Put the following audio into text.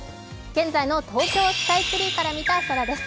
現在の東京スカイツリーから見た空です。